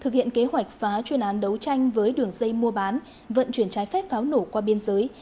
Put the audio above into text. thực hiện kế hoạch phá chuyên án đấu tranh với đường dây mua bán vận chuyển trái phép pháo nổ qua biên giới